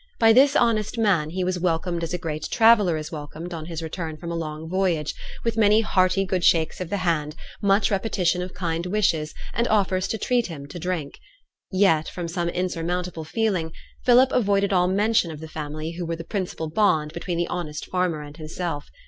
By this honest man, he was welcomed as a great traveller is welcomed on his return from a long voyage, with many hearty good shakes of the hand, much repetition of kind wishes, and offers to treat him to drink. Yet, from some insurmountable feeling, Philip avoided all mention of the family who were the principal bond between the honest farmer and himself.